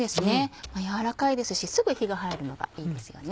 柔らかいですしすぐ火が入るのがいいですよね。